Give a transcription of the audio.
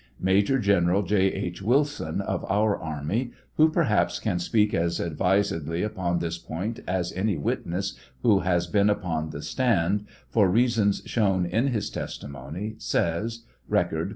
Major General J. H. Wilson, of our army, who, perhaps, can speak as advisedly upon this point as any witness who has been upon the stand, for reasons shown in his testimony, says, (Record, p.